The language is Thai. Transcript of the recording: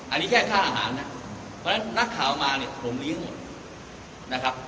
อันนี้แค่ค่าอาหารนะเพราะฉะนั้นนักข่าวมาเนี่ยผมเลี้ยงหมดนะครับ